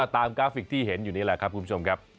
กราฟิกที่เห็นอยู่นี่แหละครับคุณผู้ชมครับ